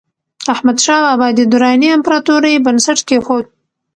احمدشاه بابا د دراني امپراتورۍ بنسټ کېښود.